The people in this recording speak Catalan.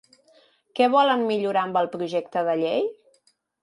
Què volen millorar amb el projecte de llei?